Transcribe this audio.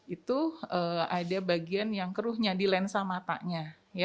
itu ada bagian yang keruhnya di lensa matanya